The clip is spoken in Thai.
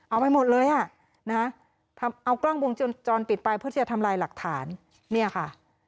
เอาไปหมดเลยอ่ะนะฮะทำเอากล้องวงจรปิดไปเพื่อที่จะทำลายหลักฐานเนี่ยค่ะ